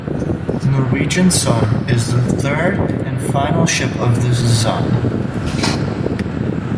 "Norwegian Sun" is the third and final ship of this design.